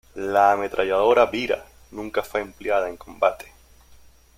La ametralladora Bira nunca fue empleada en combate.